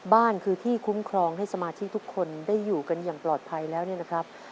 บ้านคือที่คุ้มครองให้สมาชิกทุกคนได้อยู่กันอย่างปลอดภัยแล้วเนี่ยนะครับ